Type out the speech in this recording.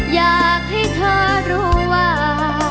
อยากให้เธอรู้ว่า